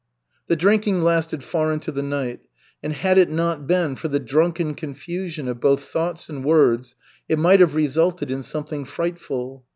The drinking lasted far into the night, and had it not been for the drunken confusion of both thoughts and words, it might have resulted in something frightful.